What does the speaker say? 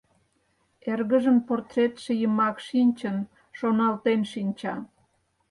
Эргыжын портретше йымак шинчын, шоналтен шинча...